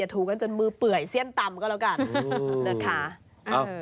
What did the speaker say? ถูกันจนมือเปื่อยเสี้ยนตำก็แล้วกันนะคะ